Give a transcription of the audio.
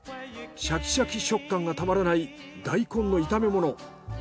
シャキシャキ食感がたまらないダイコンの炒め物。